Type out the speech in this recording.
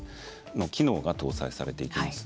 機能が搭載されていきます。